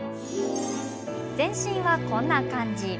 全身は、こんな感じ。